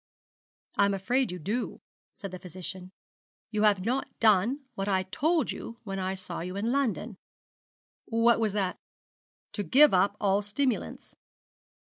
'I'm afraid you do,' said the physician. 'You have not done what I told you when I saw you in London.' 'What was that?' 'To give up all stimulants.'